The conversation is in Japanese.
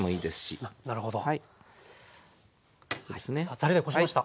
ザルでこしました。